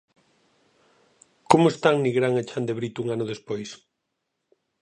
Como están Nigrán e Chandebrito un ano despois?